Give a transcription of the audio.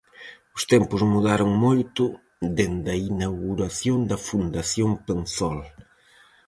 Os tempos mudaron moito dende a inauguración da Fundación Penzol.